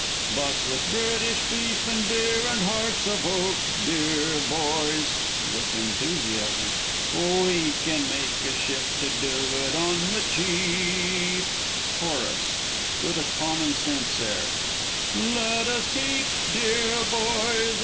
But with British beef, and beer, and hearts of oak, deah boys! (With enthusiasm.) We can make a shift to do it On the Cheap! Chorus. (With a common sense air.) Let us keep, deah boys!